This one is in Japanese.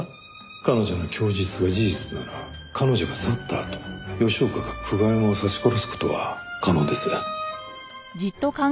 彼女の供述が事実なら彼女が去ったあと吉岡が久我山を刺し殺す事は可能です。